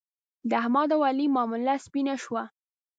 د احمد او علي معامله سپینه شوه.